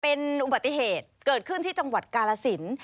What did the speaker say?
เป็นอุบัติเหตุเกิดขึ้นที่จังหวัดกาลสิน